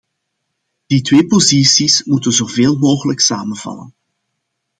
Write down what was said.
Die twee posities moeten zoveel mogelijk samenvallen.